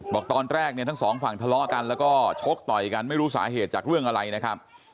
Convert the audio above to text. บอกตอนแรกเนี่ยทั้งสองฝั่งทะเลาะกันแล้วก็ชกต่อยกันไม่รู้สาเหตุจากเรื่องอะไรนะครับ